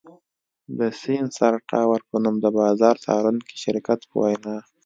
د سېنسر ټاور په نوم د بازار څارونکي شرکت په وینا